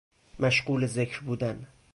مشغول ذکر بودن